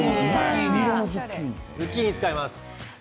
ズッキーニを使います。